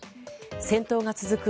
戦闘が続く